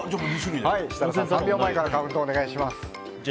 設楽さん、３秒前からカウントお願いします。